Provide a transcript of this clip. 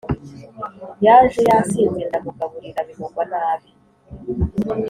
Yaje yasinze ndamugaburira bimugwa nabi